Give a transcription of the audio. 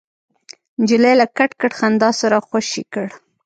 نجلۍ له کټ کټ خندا سره خوشې کړ.